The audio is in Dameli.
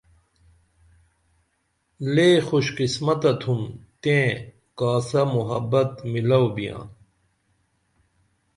لے خوش قسمتہ تُھن تئیں کاسہ محبت ملو بیاں